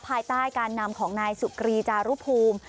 ภายใต้การนำของนายสุกรีจารุภูมิ